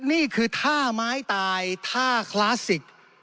นี่คือท่าไม้ตายท่าคลาสสิก